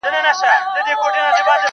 • له دښتونو څخه ستون سو تش لاسونه -